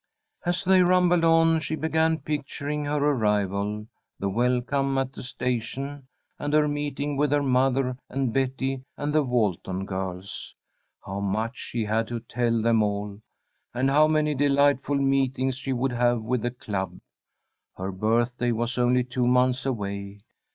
As they rumbled on, she began picturing her arrival, the welcome at the station, and her meeting with her mother and Betty and the Walton girls. How much she had to tell them all, and how many delightful meetings she would have with the club! Her birthday was only two months away.